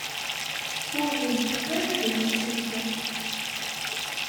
Ur ɣ-iwufeq ara deg temsalt-a.